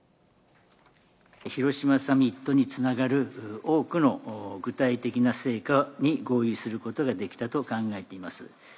広島サミットにつながる、多くの具体的な成果に合意することができたと考えています。